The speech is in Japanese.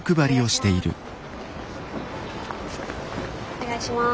お願いします。